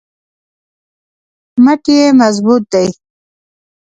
مټ یې مضبوط دی.